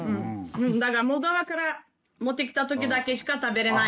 だからモルドバから持ってきた時だけしか食べれない。